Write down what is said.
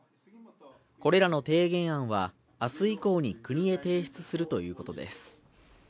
これらの提言案は、あす以降に国へ提出するということです。